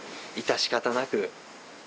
致し方なく。